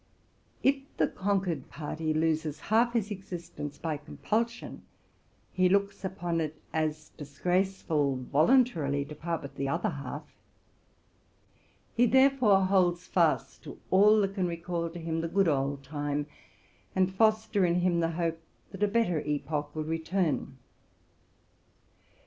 If the conquered party loses half his existence by compulsion, he looks upon it as disgraceful voluntarily to part with the other half. He therefore holds fast to all that can recall to him the good old time, and foster in him the hope that a better epoch will return.